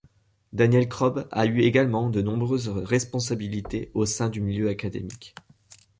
Daniel Krob a eu également de nombreuses responsabilités au sein du milieu académique.